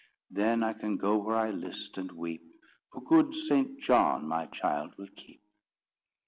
Then I can go where I list, and weep, For good St. John my child will keep."